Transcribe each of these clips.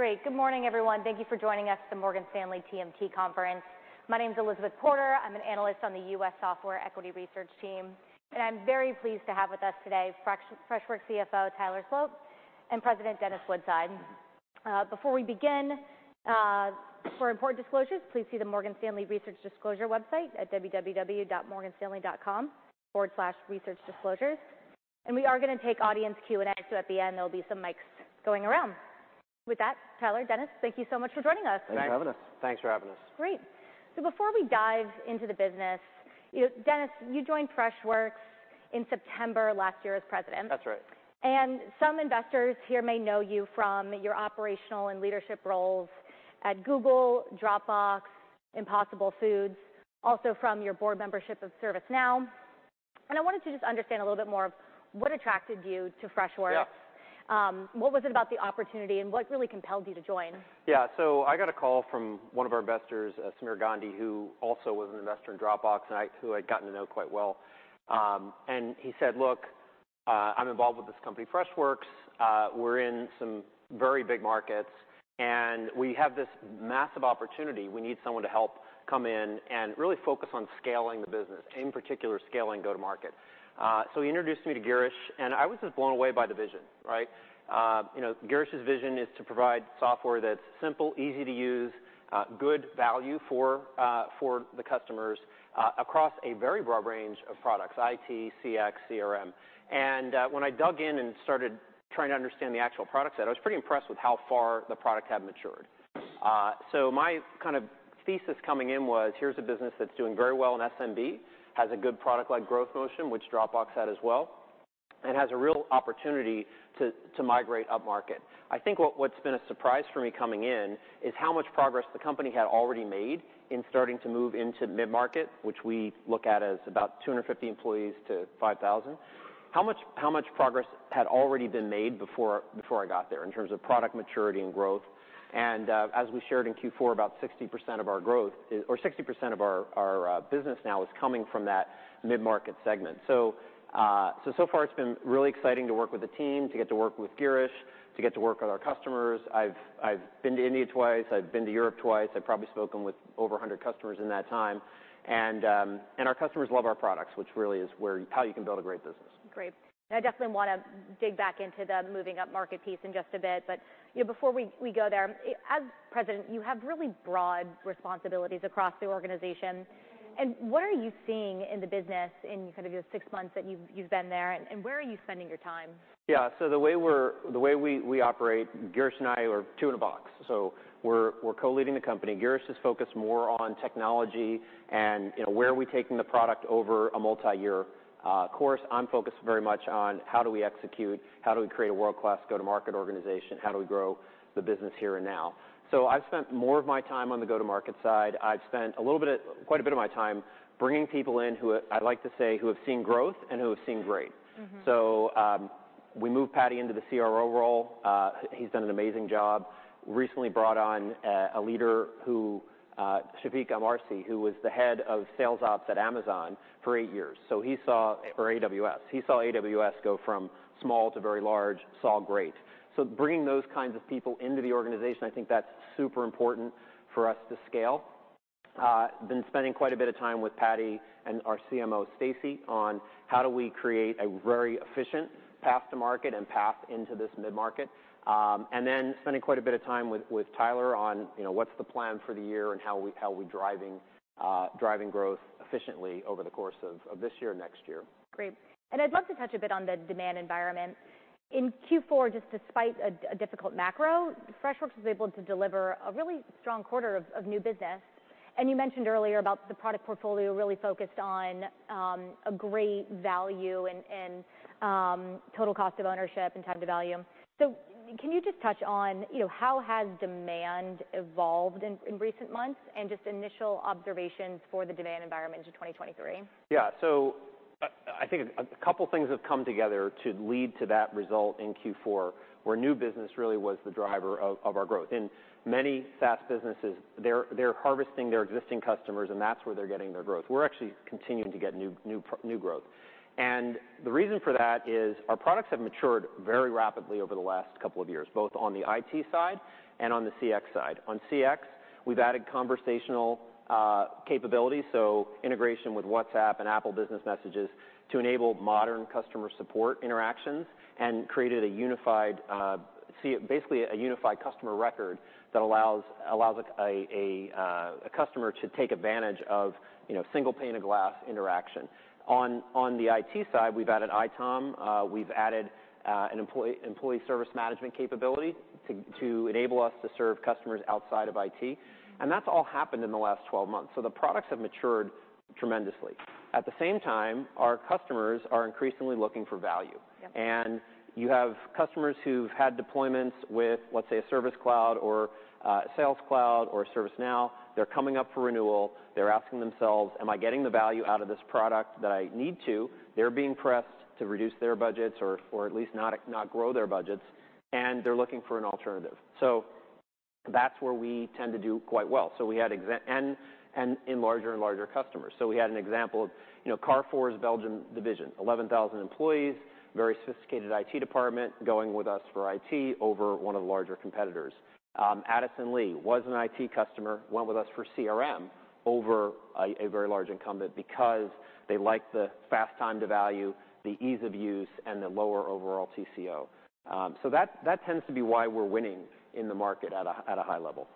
Great. Good morning, everyone. Thank you for joining us at the Morgan Stanley TMT conference. My name's Elizabeth Porter. I'm an analyst on the U.S. Software Equity Research team. I'm very pleased to have with us today Freshworks CFO, Tyler Sloat, and President, Dennis Woodside. Before we begin, for important disclosures, please see the Morgan Stanley Research Disclosure website at www.morganstanley.com/researchdisclosures. We are going to take audience Q&A. At the end, there'll be some mics going around. With that, Tyler, Dennis, thank you so much for joining us. Thanks. Thanks for having us. Great. Before we dive into the business, you know, Dennis, you joined Freshworks in September last year as President. That's right. Some investors here may know you from your operational and leadership roles at Google, Dropbox, Impossible Foods, also from your board membership of ServiceNow. I wanted to just understand a little bit more of what attracted you to Freshworks. Yeah. What was it about the opportunity, and what really compelled you to join? I got a call from one of our investors, Sameer Gandhi, who also was an investor in Dropbox, and who I'd gotten to know quite well. He said, "Look, I'm involved with this company, Freshworks. We're in some very big markets, and we have this massive opportunity. We need someone to help come in and really focus on scaling the business, in particular, scaling go-to-market." He introduced me to Girish, and I was just blown away by the vision, right? You know, Girish's vision is to provide software that's simple, easy to use, good value for the customers, across a very broad range of products: IT, CX, CRM. When I dug in and started trying to understand the actual product set, I was pretty impressed with how far the product had matured. My kind of thesis coming in was, here's a business that's doing very well in SMB, has a good product-led growth motion, which Dropbox had as well, and has a real opportunity to migrate up-market. I think what's been a surprise for me coming in is how much progress the company had already made in starting to move into mid-market, which we look at as about 250 employees to 5,000. How much progress had already been made before I got there in terms of product maturity and growth. As we shared in Q4, about 60% of our growth is or 60% of our business now is coming from that mid-market segment. So far it's been really exciting to work with the team, to get to work with Girish, to get to work with our customers. I've been to India twice. I've been to Europe twice. I've probably spoken with over 100 customers in that time. Our customers love our products, which really is how you can build a great business. Great. I definitely wanna dig back into the moving up market piece in just a bit, but, you know, before we go there, as president, you have really broad responsibilities across the organization. What are you seeing in the business in kind of your six months that you've been there, and where are you spending your time? The way we operate, Girish and I are two in a box, so we're co-leading the company. Girish is focused more on technology and, you know, where are we taking the product over a multi-year course. I'm focused very much on how do we execute, how do we create a world-class go-to-market organization, how do we grow the business here and now. I've spent more of my time on the go-to-market side. I've spent quite a bit of my time bringing people in who I like to say, who have seen growth and who have seen great. Mm-hmm. We moved Paddy into the CRO role. He's done an amazing job. Recently brought on a leader who Shafiq Amarsi, who was the head of sales ops at Amazon for eight years. He saw for AWS. He saw AWS go from small to very large, saw great. Bringing those kinds of people into the organization, I think that's super important for us to scale. Been spending quite a bit of time with Paddy and our CMO, Stacey, on how do we create a very efficient path to market and path into this mid-market. And then spending quite a bit of time with Tyler on, you know, what's the plan for the year and how are we driving growth efficiently over the course of this year, next year. Great. I'd love to touch a bit on the demand environment. In Q4, just despite a difficult macro, Freshworks was able to deliver a really strong quarter of new business. You mentioned earlier about the product portfolio really focused on a great value and total cost of ownership and time to value. Can you just touch on, you know, how has demand evolved in recent months and just initial observations for the demand environment into 2023? I think a couple things have come together to lead to that result in Q4, where new business really was the driver of our growth. In many SaaS businesses, they're harvesting their existing customers, and that's where they're getting their growth. We're actually continuing to get new growth. The reason for that is our products have matured very rapidly over the last couple of years, both on the IT side and on the CX side. On CX, we've added conversational capabilities, so integration with WhatsApp and Apple Messages for Business to enable modern Customer Support interactions and created a unified, basically a unified customer record that allows, like, a customer to take advantage of, you know, single pane of glass interaction. On the IT side, we've added ITOM. We've added an employee service management capability to enable us to serve customers outside of IT. Mm-hmm. That's all happened in the last 12-months. The products have matured tremendously. At the same time, our customers are increasingly looking for value. Yeah. You have customers who've had deployments with, let's say, a Service Cloud or Sales Cloud or ServiceNow. They're coming up for renewal. They're asking themselves, "Am I getting the value out of this product that I need to?" They're being pressed to reduce their budgets or at least not grow their budgets, and they're looking for an alternative. That's where we tend to do quite well. We had in larger and larger customers. We had an example of, you know, Carrefour's Belgium division, 11,000 employees, very sophisticated IT department, going with us for IT over one of the larger competitors. Addison Lee was an IT customer, went with us for CRM over a very large incumbent because they liked the fast time to value, the ease of use, and the lower overall TCO. That tends to be why we're winning in the market at a, at a high level.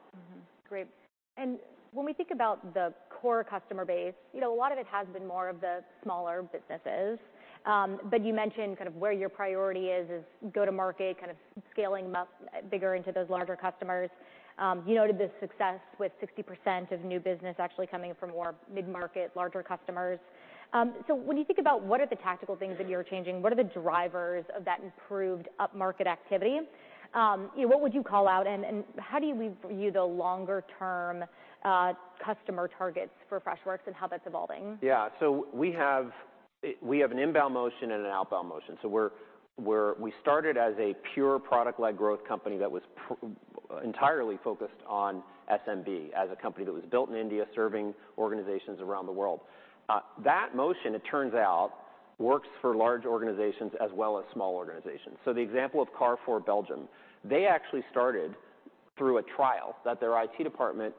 Great. When we think about the core customer base, you know, a lot of it has been more of the smaller businesses. You mentioned kind of where your priority is go-to-market, kind of scaling up bigger into those larger customers. You noted the success with 60% of new business actually coming from more mid-market, larger customers. When you think about what are the tactical things that you're changing, what are the drivers of that improved up-market activity, you know, what would you call out, and how do you view the longer-term customer targets for Freshworks and how that's evolving? Yeah. We have an inbound motion and an outbound motion. We started as a pure product-led growth company that was entirely focused on SMB as a company that was built in India, serving organizations around the world. That motion, it turns out, works for large organizations as well as small organizations. The example of Carrefour Belgium, they actually started through a trial that their IT department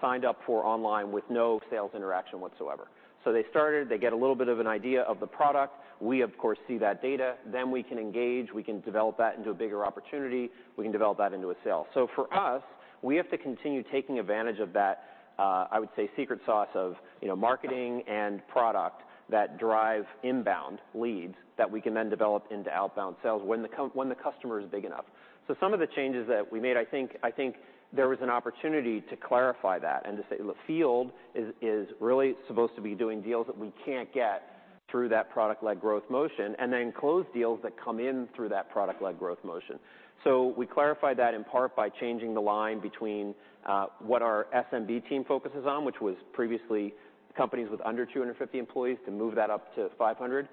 signed up for online with no sales interaction whatsoever. They started. They get a little bit of an idea of the product. We of course see that data. We can engage. We can develop that into a bigger opportunity. We can develop that into a sale. For us, we have to continue taking advantage of that, I would say, secret sauce of, you know, marketing and product that drive inbound leads that we can then develop into outbound sales when the customer is big enough. Some of the changes that we made, I think there was an opportunity to clarify that and to say, "Look, field is really supposed to be doing deals that we can't get through that product-led growth motion, and then close deals that come in through that product-led growth motion." We clarified that in part by changing the line between what our SMB team focuses on, which was previously companies with under 250 employees, to move that up to 500.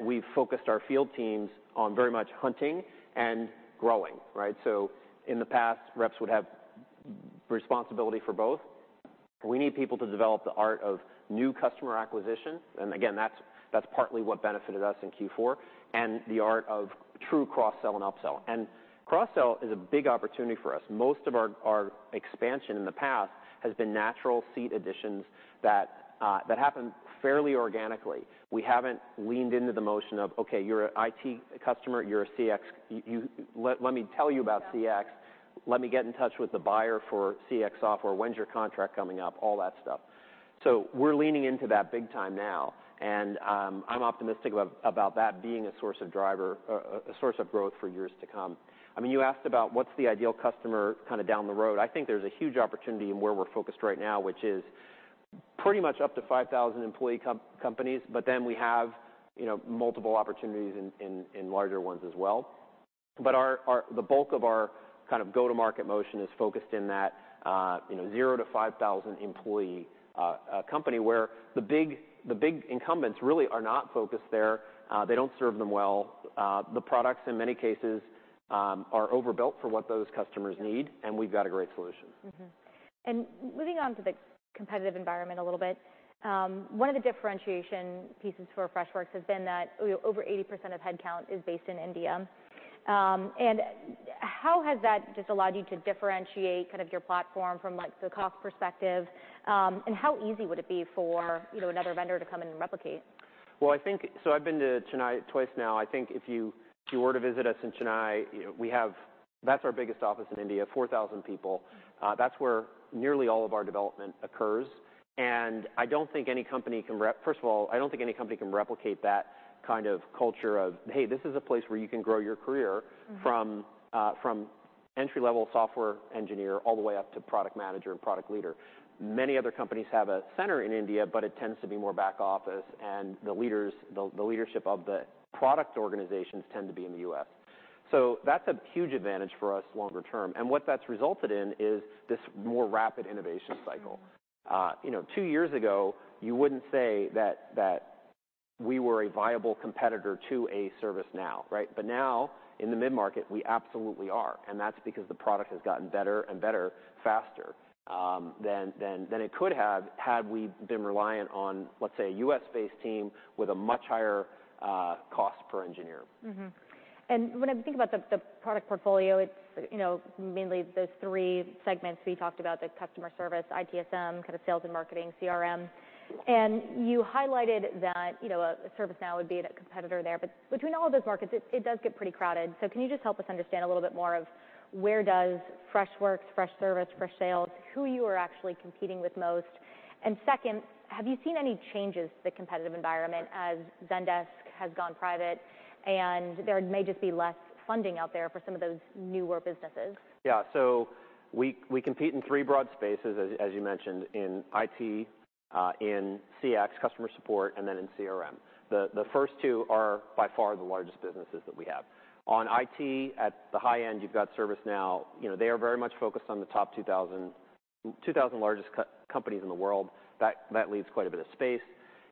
We focused our field teams on very much hunting and growing, right? In the past, reps would have responsibility for both. We need people to develop the art of new customer acquisition, and again, that's partly what benefited us in Q4, and the art of true cross-sell and up-sell. Cross-sell is a big opportunity for us. Most of our expansion in the past has been natural seat additions that happened fairly organically. We haven't leaned into the motion of, "Okay, you're an IT customer. You're a CX. Let me tell you about CX. Let me get in touch with the buyer for CX software. When's your contract coming up?" All that stuff. We're leaning into that big time now, and I'm optimistic about that being a source of growth for years to come. I mean, you asked about what's the ideal customer kind of down the road. I think there's a huge opportunity in where we're focused right now, which is pretty much up to 5,000 employee companies, but then we have, you know, multiple opportunities in larger ones as well. Our kind of go-to-market motion is focused in that, you know, zero to 5,000 employee company where the big incumbents really are not focused there. They don't serve them well. The products in many cases are overbuilt for what those customers need, and we've got a great solution. Moving on to the competitive environment a little bit, one of the differentiation pieces for Freshworks has been that, you know, over 80% of headcount is based in India. How has that just allowed you to differentiate kind of your platform from like the cost perspective, and how easy would it be for, you know, another vendor to come in and replicate? I've been to Chennai twice now. I think if you were to visit us in Chennai, you know. That's our biggest office in India, 4,000 people. Mm-hmm. That's where nearly all of our development occurs. First of all, I don't think any company can replicate that kind of culture of, "Hey, this is a place where you can grow your career... Mm-hmm. From entry-level software engineer all the way up to product manager and product leader." Many other companies have a center in India, but it tends to be more back office, and the leadership of the product organizations tend to be in the U.S. That's a huge advantage for us longer term, and what that's resulted in is this more rapid innovation cycle. You know, two years ago, you wouldn't say that we were a viable competitor to a ServiceNow, right? Now, in the mid-market, we absolutely are, and that's because the product has gotten better and better faster than it could have had we been reliant on, let's say, a U.S.-based team with a much higher cost per engineer. Mm-hmm. When I think about the product portfolio, it's, you know, mainly those three segments we talked about, the customer service, ITSM, kind of sales and marketing, CRM. You highlighted that, you know, ServiceNow would be the competitor there. Between all of those markets, it does get pretty crowded. Can you just help us understand a little bit more of where does Freshworks, Freshservice, Freshsales, who you are actually competing with most? Second, have you seen any changes to the competitive environment as Zendesk has gone private, and there may just be less funding out there for some of those newer businesses? We compete in three broad spaces, as you mentioned, in IT, in CX, Customer Support, and then in CRM. The first two are by far the largest businesses that we have. On IT, at the high end, you've got ServiceNow. You know, they are very much focused on the top 2,000 largest companies in the world. That leaves quite a bit of space.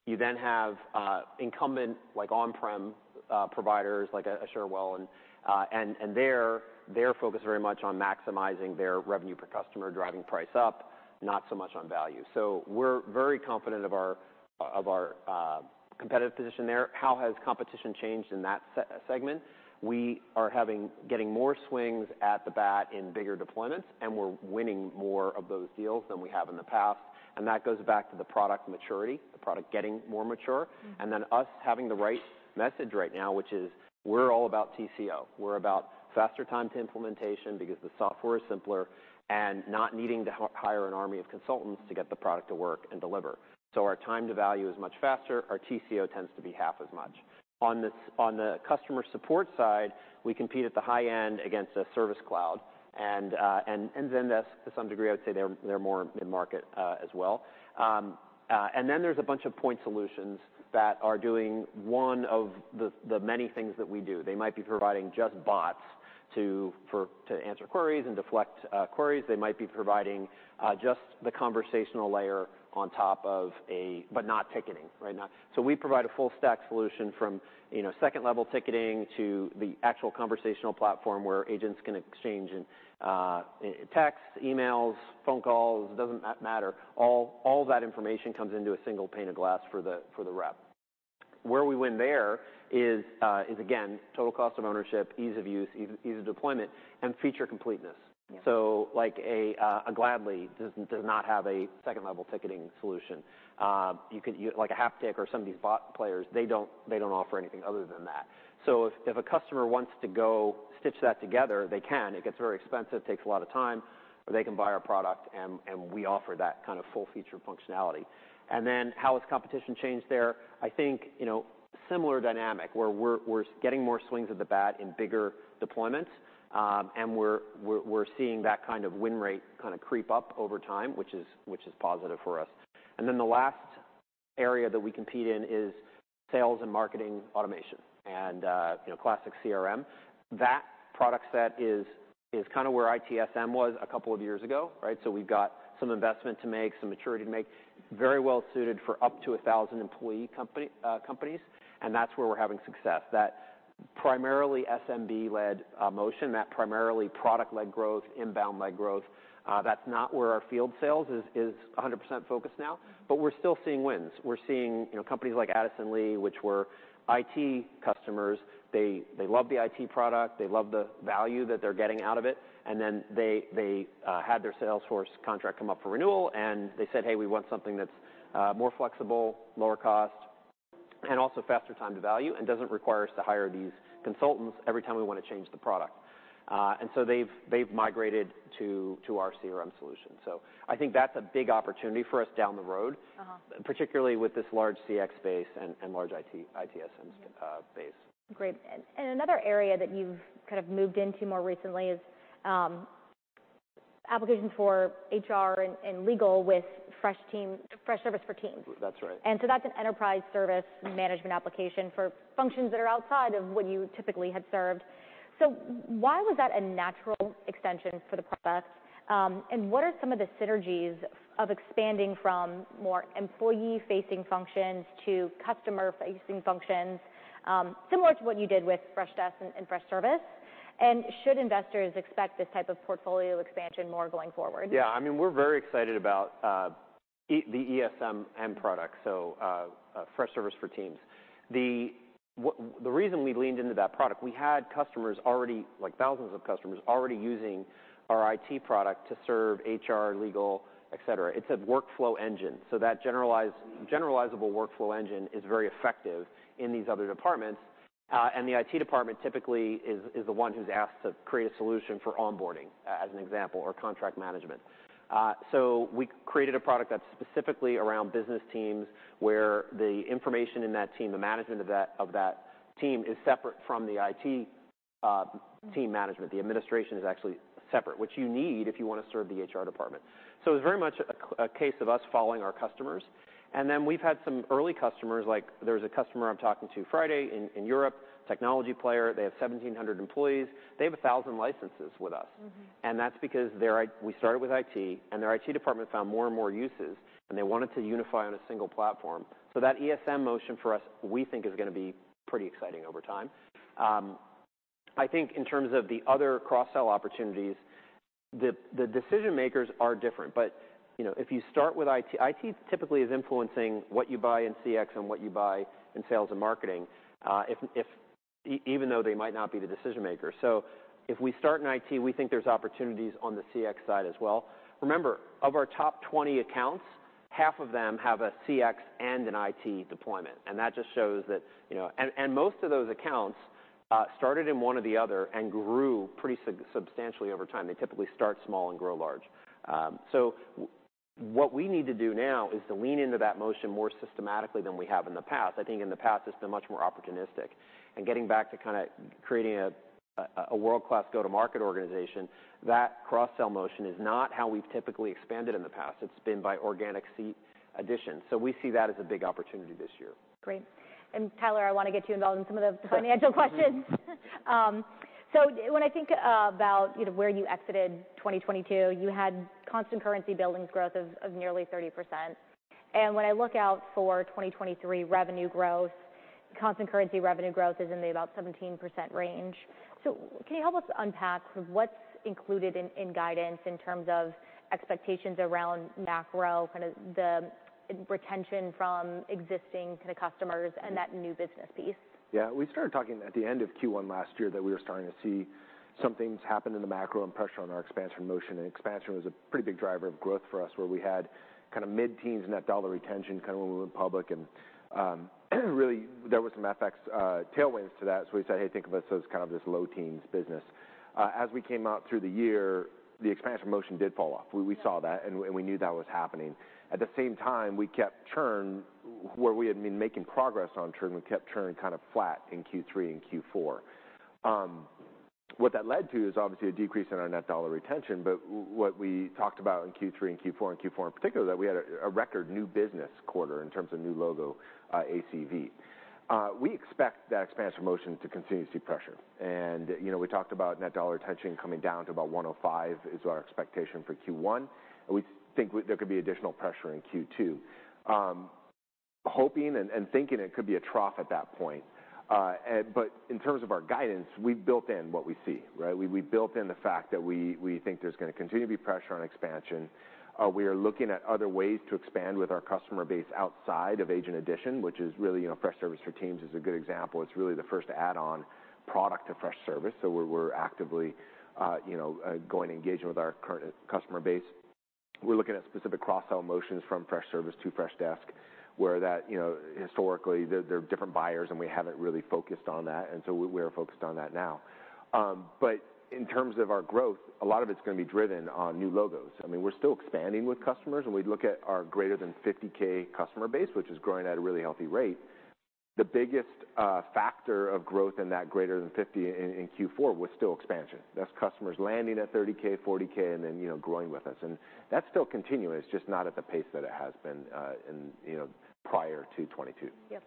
You then have incumbent like on-prem providers like a Cherwell, and they're focused very much on maximizing their revenue per customer, driving price up, not so much on value. We're very confident of our competitive position there. How has competition changed in that segment? We are getting more swings at the bat in bigger deployments, and we're winning more of those deals than we have in the past. That goes back to the product maturity, the product getting more mature. Mm. Us having the right message right now, which is we're all about TCO. We're about faster time to implementation because the software is simpler and not needing to hire an army of consultants to get the product to work and deliver. Our time to value is much faster. Our TCO tends to be half as much. On the Customer Support side, we compete at the high end against a Service Cloud and Zendesk, to some degree, I would say they're more in market as well. There's a bunch of point solutions that are doing one of the many things that we do. They might be providing just bots to answer queries and deflect queries. They might be providing just the conversational layer on top. Not ticketing. Right? We provide a full stack solution from, you know, second-level ticketing to the actual conversational platform where agents can exchange in, text, emails, phone calls, it doesn't matter. All that information comes into a single pane of glass for the rep. Where we win there is again, total cost of ownership, ease of use, ease of deployment, and feature completeness. Yeah. Like a Gladly does not have a second-level ticketing solution. You could like a Haptik or some of these bot players, they don't offer anything other than that. If a customer wants to go stitch that together, they can. It gets very expensive, it takes a lot of time, or they can buy our product and we offer that kind of full feature functionality. How has competition changed there? I think, you know, similar dynamic, where we're getting more swings at the bat in bigger deployments, and we're seeing that kind of win rate kind of creep up over time, which is positive for us. The last area that we compete in is sales and marketing automation and, you know, classic CRM. That product set is kind of where ITSM was a couple of years ago, right? We've got some investment to make, some maturity to make. Very well suited for up to a 1,000-employee company, companies, and that's where we're having success. That primarily SMB-led motion, that primarily product-led growth, inbound-led growth, that's not where our field sales is 100% focused now. Mm. We're still seeing wins. We're seeing, you know, companies like Addison Lee, which were IT customers, they love the IT product, they love the value that they're getting out of it, and then they had their Salesforce contract come up for renewal and they said, "Hey, we want something that's more flexible, lower cost, and also faster time to value, and doesn't require us to hire these consultants every time we wanna change the product." They've migrated to our CRM solution. I think that's a big opportunity for us down the road. Uh-huh. Particularly with this large CX base and large IT, ITSM base. Great. Another area that you've kind of moved into more recently is, application for HR and Legal with Freshservice for Teams. That's right. That's an enterprise service management application for functions that are outside of what you typically had served. Why was that a natural extension for the product, and what are some of the synergies of expanding from more employee-facing functions to customer-facing functions, similar to what you did with Freshdesk and Freshservice? Should investors expect this type of portfolio expansion more going forward? I mean, we're very excited about the ESM end product, Freshservice for Teams. The reason we leaned into that product, we had customers already, like thousands of customers, already using our IT product to serve HR, Legal, et cetera. It's a workflow engine, that generalizable workflow engine is very effective in these other departments. The IT department typically is the one who's asked to create a solution for onboarding as an example, or contract management. We created a product that's specifically around business teams where the information in that team, the management of that team is separate from the IT. Mm. Team management. The administration is actually separate, which you need if you wanna serve the HR department. It's very much a case of us following our customers. We've had some early customers, like there was a customer I'm talking to Friday in Europe, technology player, they have 1,700-employees. They have 1,000 licenses with us. Mm-hmm. That's because we started with IT, and their IT department found more and more uses, and they wanted to unify on a single platform. That ESM motion for us, we think is gonna be pretty exciting over time. I think in terms of the other cross-sell opportunities, the decision makers are different. You know, if you start with IT typically is influencing what you buy in CX and what you buy in sales and marketing, if even though they might not be the decision maker. If we start in IT, we think there's opportunities on the CX side as well. Remember, of our top 20 accounts, half of them have a CX and an IT deployment, and that just shows that, you know. Most of those accounts started in one or the other and grew pretty substantially over time. They typically start small and grow large. What we need to do now is to lean into that motion more systematically than we have in the past. I think in the past it's been much more opportunistic. Getting back to kinda creating a world-class go-to-market organization, that cross-sell motion is not how we've typically expanded in the past. It's been by organic seat addition. We see that as a big opportunity this year. Great. Tyler, I wanna get you involved in some of the financial questions. When I think about, you know, where you exited 2022, you had constant currency billings growth of nearly 30%. When I look out for 2023 revenue growth, constant currency revenue growth is in the about 17% range. Can you help us unpack what's included in guidance in terms of expectations around macro, kind of the retention from existing kind of customers and that new business piece? We started talking at the end of Q1 last year that we were starting to see some things happen in the macro and pressure on our expansion motion, expansion was a pretty big driver of growth for us, where we had kinda mid-teens net dollar retention kind of when we went public. Really, there was some FX tailwinds to that. We said, "Hey, think of us as kind of this low teens business." As we came out through the year, the expansion motion did fall off. We saw that, and we knew that was happening. At the same time, we kept churn where we had been making progress on churn. We kept churn kind of flat in Q3 and Q4. What that led to is obviously a decrease in our net dollar retention. What we talked about in Q3 and Q4, and Q4 in particular, that we had a record new business quarter in terms of new logo ACV. We expect that expansion motion to continue to see pressure. You know, we talked about net dollar retention coming down to about 105% is our expectation for Q1. We think there could be additional pressure in Q2. Hoping and thinking it could be a trough at that point. But in terms of our guidance, we've built in what we see, right? We built in the fact that we think there's gonna continue to be pressure on expansion. We are looking at other ways to expand with our customer base outside of agent addition, which is really, you know, Freshservice for Teams is a good example. It's really the first add-on product to Freshservice. We're actively, you know, going to engage with our current customer base. We're looking at specific cross-sell motions from Freshservice to Freshdesk, where that, you know, historically they're different buyers and we haven't really focused on that, and so we're focused on that now. In terms of our growth, a lot of it's gonna be driven on new logos. I mean, we're still expanding with customers, and we look at our greater than 50K customer base, which is growing at a really healthy rate. The biggest factor of growth in that greater than 50K in Q4 was still expansion. That's customers landing at 30K, 40K, and then, you know, growing with us. That's still continuous, just not at the pace that it has been, in, you know, prior to 2022. Yep.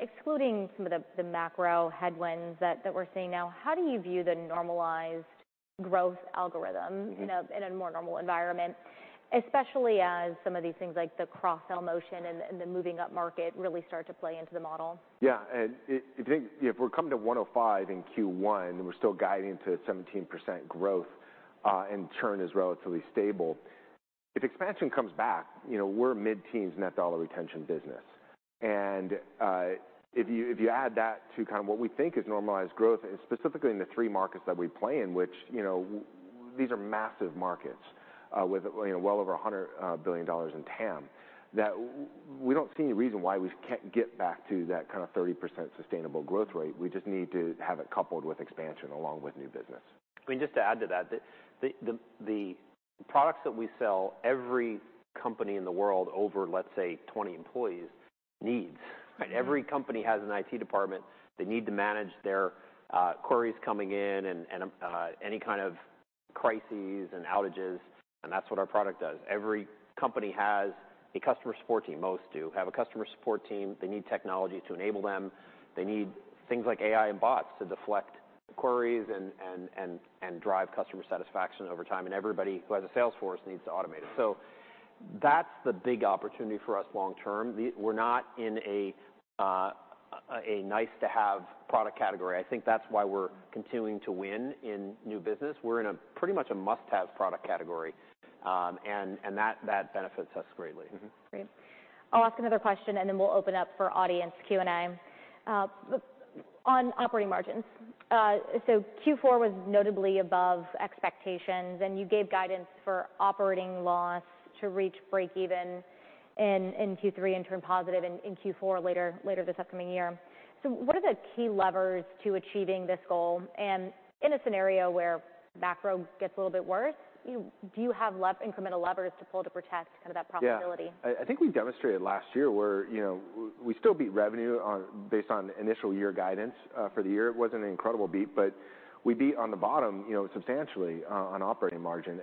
Excluding some of the macro headwinds that we're seeing now, how do you view the normalized growth algorithm? Mm-hmm. You know, in a more normal environment, especially as some of these things like the cross-sell motion and the moving up market really start to play into the model? Yeah. If we're coming to 105% in Q1, and we're still guiding to 17% growth, and churn is relatively stable, if expansion comes back, you know, we're a mid-teens net dollar retention business. If you, if you add that to kind of what we think is normalized growth, and specifically in the three markets that we play in, which, you know, these are massive markets, with, you know, well over $100 billion in TAM, we don't see any reason why we can't get back to that kind of 30% sustainable growth rate. We just need to have it coupled with expansion along with new business. I mean, just to add to that, the products that we sell, every company in the world over, let's say, 20-employees needs. Right. Every company has an IT department. They need to manage their queries coming in and any kind of crises and outages, and that's what our product does. Every company has a Customer Support team. Most do have a Customer Support team. They need technology to enable them. They need things like AI and bots to deflect queries and drive customer satisfaction over time. Everybody who has a sales force needs to automate it. That's the big opportunity for us long term. We're not in a nice-to-have product category. I think that's why we're continuing to win in new business. We're in a pretty much a must-have product category, and that benefits us greatly. Mm-hmm. Great. I'll ask another question, and then we'll open up for audience Q&A. On operating margins, Q4 was notably above expectations, and you gave guidance for operating loss to reach break even in Q3 and turn positive in Q4 later this upcoming year. What are the key levers to achieving this goal? In a scenario where macro gets a little bit worse, do you have incremental levers to pull to protect kind of that profitability? Yeah. I think we demonstrated last year where, you know, we still beat revenue on, based on initial year guidance for the year. It wasn't an incredible beat, but we beat on the bottom, you know, substantially on operating margin.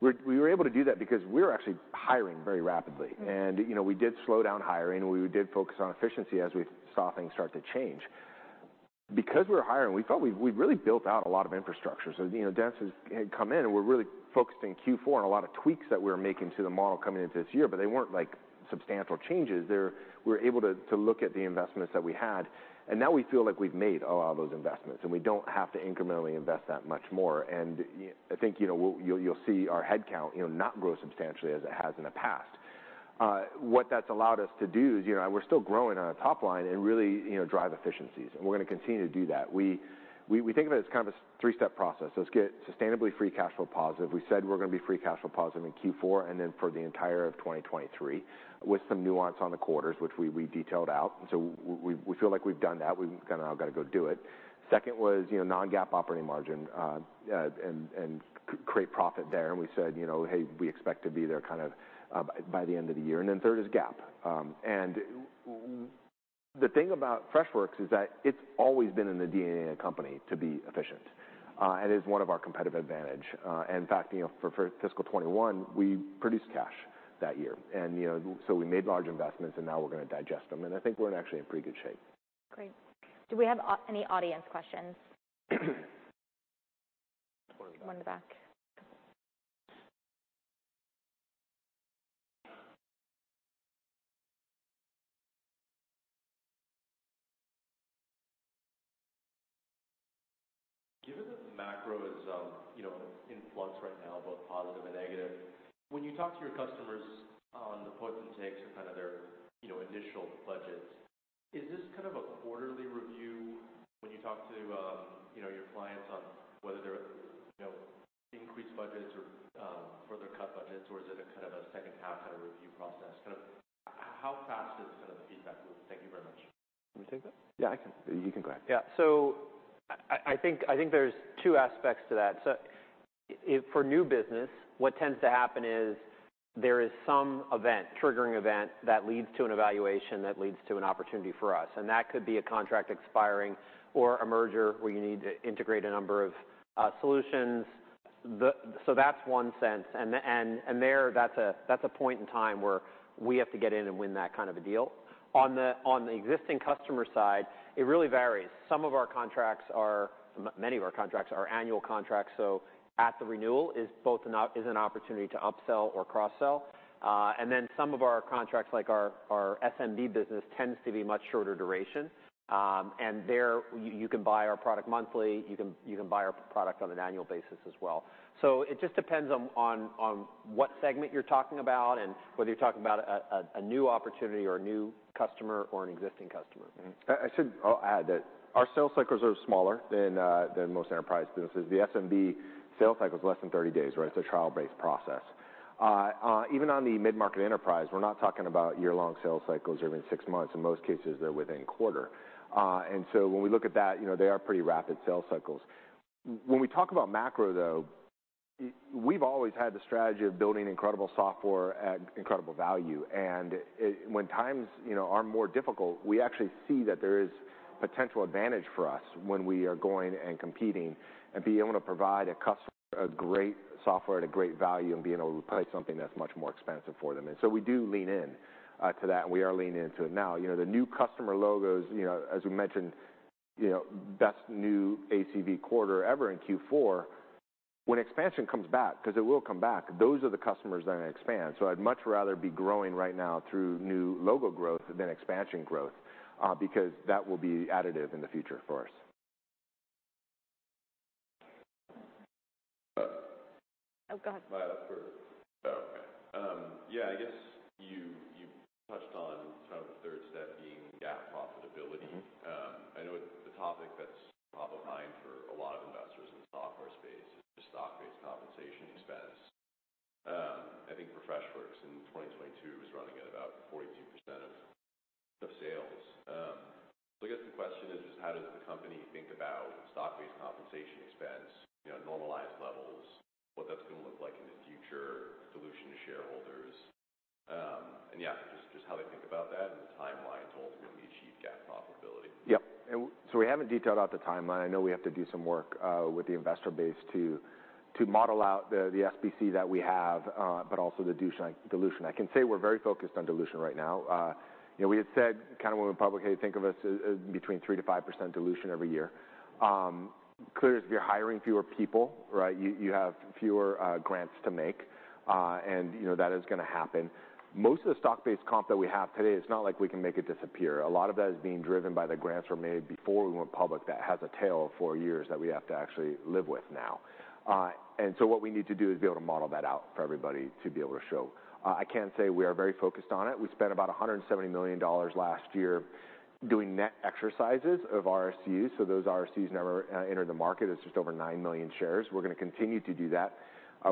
We were able to do that because we were actually hiring very rapidly. Mm. You know, we did slow down hiring. We did focus on efficiency as we saw things start to change. Because we were hiring, we felt we'd really built out a lot of infrastructure. You know, Dennis had come in, and we're really focused in Q4 on a lot of tweaks that we're making to the model coming into this year, but they weren't, like, substantial changes. We're able to look at the investments that we had, and now we feel like we've made a lot of those investments, and we don't have to incrementally invest that much more. I think, you know, you'll see our headcount, you know, not grow substantially as it has in the past. What that's allowed us to do is, you know, we're still growing on our top line and really, you know, drive efficiencies, and we're gonna continue to do that. We think of it as kind of a three step process. Let's get sustainably free cash flow positive. We said we're gonna be free cash flow positive in Q4 and then for the entire of 2023 with some nuance on the quarters, which we detailed out. We feel like we've done that. We've kind of all gotta go do it. Second was, you know, non-GAAP operating margin, and create profit there. We said, you know, "Hey, we expect to be there kind of by the end of the year." Third is GAAP. The thing about Freshworks is that it's always been in the DNA of the company to be efficient, is one of our competitive advantage. In fact, you know, for fiscal 2021, we produced cash that year, we made large investments, now we're gonna digest them, I think we're in actually in pretty good shape. Great. Do we have any audience questions? One in the back. Given that the macro is, you know, in flux right now, both positive and negative, when you talk to your customers on the puts and takes of kind of their, you know, initial budgets, is this kind of a quarterly review when you talk to, you know, your clients on whether they're, you know, increased budgets or further cut budgets, or is it a kind of a second half kind of review process? Kind of how fast is kind of the feedback loop? Thank you very much. You wanna take that? Yeah, I can. You can go ahead. Yeah. I think there's two aspects to that. If for new business, what tends to happen is there is some event, triggering event, that leads to an evaluation, that leads to an opportunity for us, and that could be a contract expiring or a merger where you need to integrate a number of solutions. That's one sense, and there, that's a, that's a point in time where we have to get in and win that kind of a deal. On the, on the existing customer side, it really varies. Some of our contracts are many of our contracts are annual contracts, so at the renewal is both an opportunity to upsell or cross-sell. Some of our contracts like our SMB business tends to be much shorter duration, and there you can buy our product monthly, you can buy our product on an annual basis as well. It just depends on what segment you're talking about and whether you're talking about a new opportunity or a new customer or an existing customer. I'll add that our sales cycles are smaller than most enterprise businesses. The SMB sales cycle is less than 30-days, right? It's a trial-based process. Even on the mid-market enterprise, we're not talking about year-long sales cycles or even six months. In most cases, they're within quarter. When we look at that, you know, they are pretty rapid sales cycles. When we talk about macro, though, we've always had the strategy of building incredible software at incredible value, when times, you know, are more difficult, we actually see that there is potential advantage for us when we are going and competing and being able to provide a customer a great software at a great value and being able to replace something that's much more expensive for them. We do lean in to that, and we are leaning into it now. You know, the new customer logos, you know, as we mentioned, you know, best new ACV quarter ever in Q4. When expansion comes back, 'cause it will come back, those are the customers that are gonna expand. I'd much rather be growing right now through new logo growth than expansion growth, because that will be additive in the future for us. Oh, go ahead. Am I up first? Oh, okay. I guess you touched on kind of the third step being GAAP profitability. Mm-hmm. I know the topic that's top of mind for a lot of investors in the software space is the stock-based compensation expense. I think for Freshworks in 2022 was running at about 14% of sales. I guess the question is just how does the company think about stock-based compensation expense, you know, normalized levels, what that's gonna look like in the future, dilution to shareholders. Yeah, just how they think about that and the timelines to ultimately achieve GAAP profitability. Yep. So we haven't detailed out the timeline. I know we have to do some work with the investor base to model out the SBC that we have, but also the dilution. I can say we're very focused on dilution right now. You know, we had said kind of when we went public, "Hey, think of us as between 3%-5% dilution every year." Clearly if you're hiring fewer people, right, you have fewer grants to make, and you know that is gonna happen. Most of the stock-based comp that we have today, it's not like we can make it disappear. A lot of that is being driven by the grants were made before we went public that has a tail of four years that we have to actually live with now. What we need to do is be able to model that out for everybody to be able to show. I can say we are very focused on it. We spent about $170 million last year doing net exercises of RSUs. Those RSUs never enter the market. It's just over nine million shares. We're gonna continue to do that.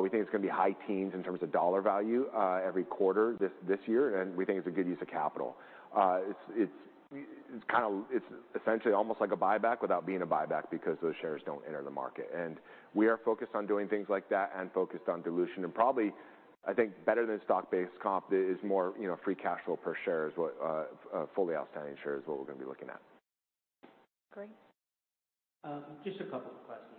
We think it's gonna be high teens in terms of dollar value, every quarter this year, and we think it's a good use of capital. It's essentially almost like a buyback without being a buyback because those shares don't enter the market. We are focused on doing things like that and focused on dilution and probably, I think, better than stock-based comp is more, you know, free cash flow per share is what fully outstanding shares is what we're gonna be looking at. Great. Just a couple of questions.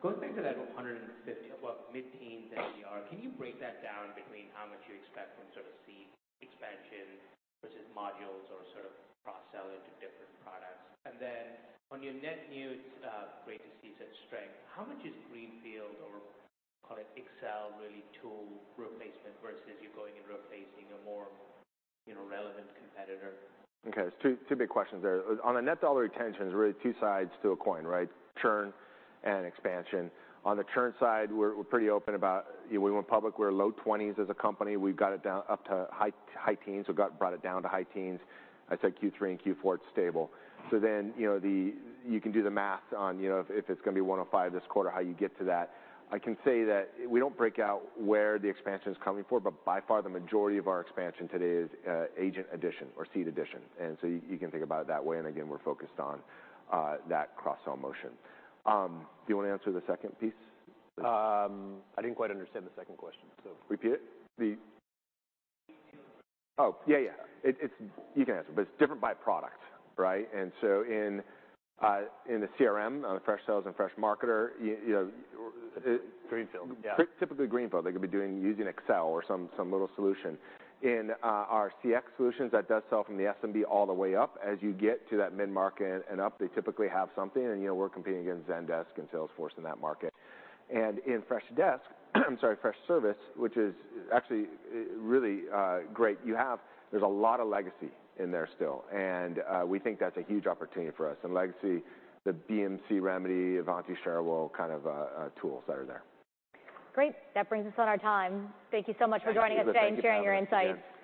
Going back to that 150%, well, mid-teens NDR, can you break that down between how much you expect from sort of seed expansion versus modules or sort of cross-sell into different products? On your net new, it's great to see such strength. How much is greenfield or call it Excel really tool replacement versus you're going and replacing a more, you know, relevant competitor? Okay. There's two big questions there. On a net dollar retention, there's really two sides to a coin, right? Churn and expansion. On the churn side, we're pretty open about, you know, we went public, we were low 20s as a company. We brought it down to high 10s. I'd say Q3 and Q4, it's stable. You know, you can do the math on, you know, if it's going to be 105% this quarter, how you get to that. I can say that we don't break out where the expansion's coming for, but by far, the majority of our expansion today is agent addition or seed addition. You can think about it that way, and again, we're focused on that cross-sell motion. Do you wanna answer the second piece? I didn't quite understand the second question. Repeat it? Greenfield. Yeah, yeah. It's you can answer, but it's different by product, right? In the CRM, on the Freshsales and Freshmarketer, you know. Greenfield. Yeah. typically greenfield. They could be using Excel or some little solution. In our CX solutions, that does sell from the SMB all the way up. As you get to that mid-market and up, they typically have something, and you know, we're competing against Zendesk and Salesforce in that market. In Freshdesk, I'm sorry, Freshservice, which is actually, really great, there's a lot of legacy in there still, and we think that's a huge opportunity for us. Legacy, the BMC, Remedy, Ivanti, Cherwell kind of tools that are there. Great. That brings us on our time. Thank you so much for joining us today and sharing your insights. Thank you.